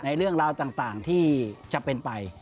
เรื่องราวต่างที่จะเป็นไป